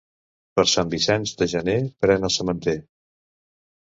Per Sant Vicenç de gener, pren el sementer.